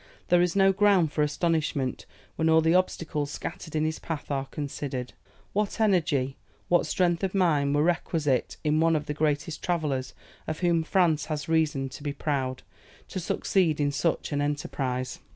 There is no ground for astonishment, when all the obstacles scattered in his path are considered. What energy, what strength of mind were requisite in one of the greatest travellers of whom France has reason to be proud, to succeed in such an enterprise!